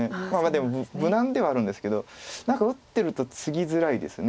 でも無難ではあるんですけど何か打ってるとツギづらいです。